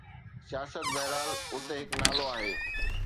سياست؛ بهرحال، اتي هڪ نالو آهي.